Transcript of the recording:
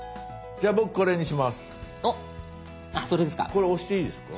これ押していいですか？